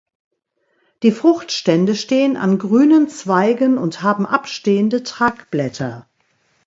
Die Fruchtstände stehen an grünen Zweige und haben abstehende Tragblätter.